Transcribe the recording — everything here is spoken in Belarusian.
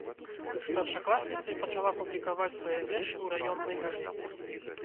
Старшакласніцай пачала публікаваць свае вершы ў раённай газеце.